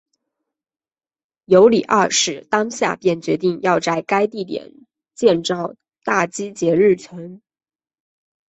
尤里二世当下便决定要在该地点建造大基捷日城。